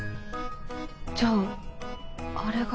じゃああれが。